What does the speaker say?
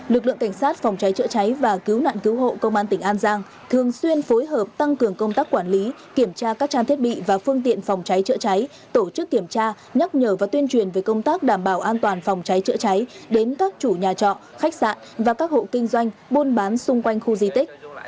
lực lượng cảnh sát phòng cháy chữa cháy và cứu nạn cứu hộ công an tỉnh an giang thường xuyên phối hợp tăng cường công tác quản lý kiểm tra các trang thiết bị và phương tiện phòng cháy chữa cháy tổ chức kiểm tra nhắc nhở và tuyên truyền về công tác đảm bảo an toàn phòng cháy chữa cháy đến các chủ nhà trọ khách sạn và các hộ kinh doanh buôn bán xung quanh khu di tích